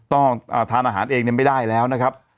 ต้องทานอาหารเองไม่ได้แล้วนะครับ